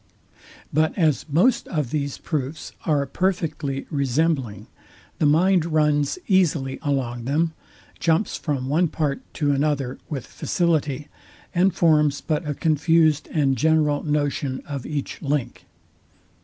But as most of these proofs are perfectly resembling, the mind runs easily along them, jumps from one part to another with facility, and forms but a confused and general notion of each link.